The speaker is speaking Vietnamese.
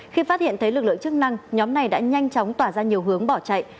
khi phát hiện thấy lực lượng chức năng nhóm này đã nhanh chóng tỏa ra nhiều hướng bỏ chạy